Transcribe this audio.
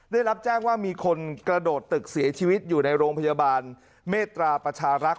ได้รับแจ้งว่ามีคนกระโดดตึกเสียชีวิตอยู่ในโรงพยาบาลเมตตราประชารักษ